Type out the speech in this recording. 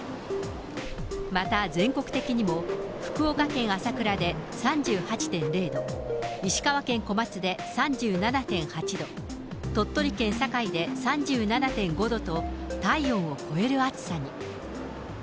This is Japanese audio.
また全国的にも福岡県朝倉で３８．０度、石川県小松で３７．８度、鳥取県境で３７．５度と、体温を超える暑さに。